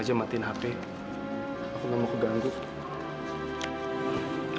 kita tuh harus bisa lho nyenengin hati orang tua